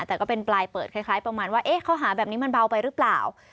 แต่ก็เป็นปลายเปิดคล้ายประมาณว่าเอ๊ะข้อหาแบบนี้มันเบาไปหรือเปล่า